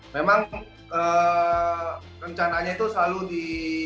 memang rencananya itu selalu di